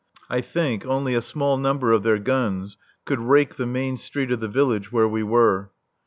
I think only a small number of their guns could rake the main street of the village where we were.